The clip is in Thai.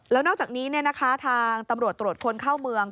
แล้วนอกจากนี้ทางตำรวจตรวจคนเข้าเมือง